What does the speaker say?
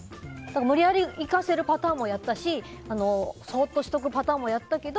無理やり行かせるパターンもやったしそっとしておくこともやったけど